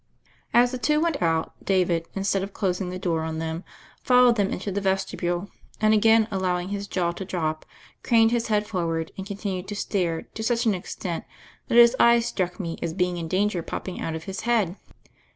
As the two went out, David, instead of clos ing the door on them, followed them into the vestibule, and, again allowing his jaw to drop, craned his head forward and continued to stare to such an extent that his eyes struck me as being in danger of popping out of his head.